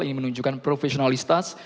ini menunjukkan profesionalitas